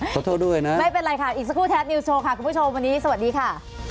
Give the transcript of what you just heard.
ขอโทษด้วยนะไม่เป็นไรค่ะอีกสักครู่แท็บนิวสโชว์ค่ะคุณผู้ชมวันนี้สวัสดีค่ะ